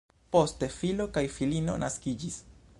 Poste filo kaj filino naskiĝis.